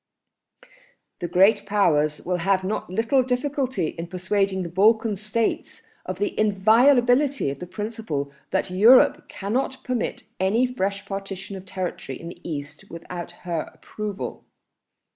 "The Great Powers will have not little difficulty in persuading the Balkan States of the inviolability of the principle that Europe cannot permit any fresh partition of territory in the East without her approval.